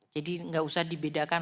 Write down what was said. jadi tidak usah dibedakan